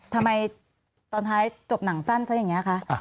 ทำไมตอนท้ายจบหนังสั้นซะอย่างนี้คะ